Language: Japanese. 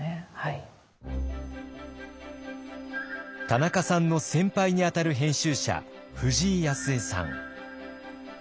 田中さんの先輩に当たる編集者藤井康栄さん。